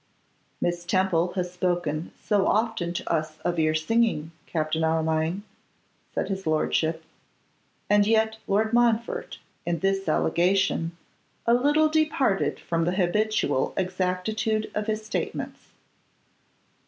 'Miss Temple has spoken so often to us of your singing, Captain Armine,' said his lordship; and yet Lord Montfort, in this allegation, a little departed front the habitual exactitude of his statements.